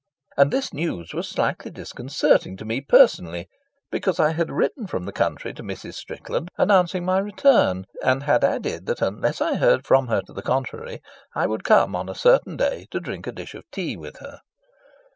And this news was slightly disconcerting to me personally, because I had written from the country to Mrs. Strickland, announcing my return, and had added that unless I heard from her to the contrary, I would come on a certain day to drink a dish of tea with her.